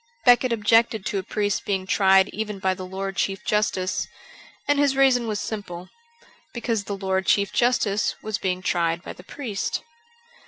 Becket objected to a priest being tried even by the Lord Chief Justice. And his reason was simple : because the Lord Chief Justice was being tried by the priest.